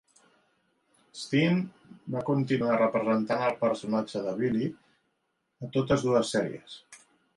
Steen va continuar representant el personatge de "Billy" a totes dues sèries.